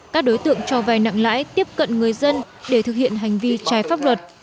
các đối tượng cho vai nặng lãi tiếp cận người dân để thực hiện hành vi trái pháp luật